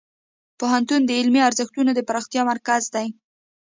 پوهنتون د علمي ارزښتونو د پراختیا مرکز دی.